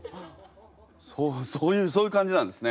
そうそういうそういう感じなんですね。